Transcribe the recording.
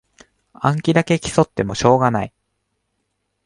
暗記だけ競ってもしょうがない